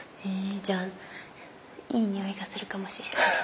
じゃあいい匂いがするかもしれないです